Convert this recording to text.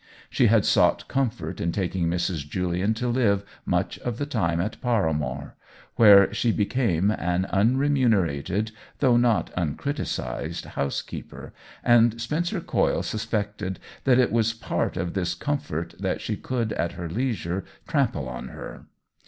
She had sought comfort in taking Mrs. Julian to live much of the time at Paramore, where she became an unremunerated though not un criticised house keeper, and Spencer Coyle suspected that it was a part of this comfort that she could at her leisure trample on her.